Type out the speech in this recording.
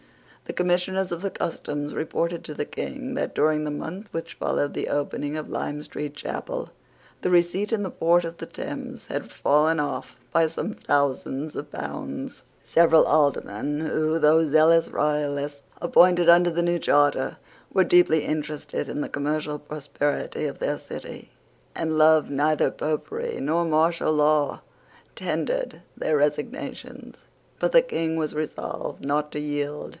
The Commissioners of the Customs reported to the King that, during the month which followed the opening of Lime Street Chapel, the receipt in the port of the Thames had fallen off by some thousands of pounds. Several Aldermen, who, though zealous royalists appointed under the new charter, were deeply interested in the commercial prosperity of their city, and loved neither Popery nor martial law, tendered their resignations. But the King was resolved not to yield.